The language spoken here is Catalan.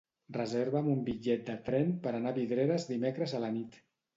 Reserva'm un bitllet de tren per anar a Vidreres dimecres a la nit.